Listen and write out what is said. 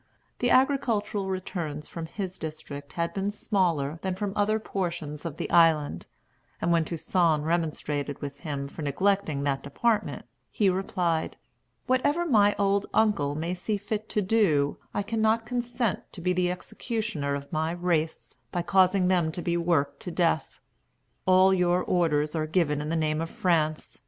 The agricultural returns from his district had been smaller than from other portions of the island; and when Toussaint remonstrated with him for neglecting that department, he replied: "Whatever my old uncle may see fit to do, I cannot consent to be the executioner of my race, by causing them to be worked to death. All your orders are given in the name of France.